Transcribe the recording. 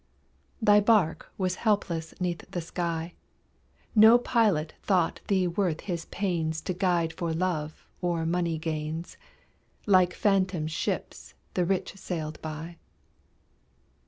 Thy barque was helpless 'neath the sky, No pilot thought thee worth his pains To guide for love or money gains Like phantom ships the rich sailed by.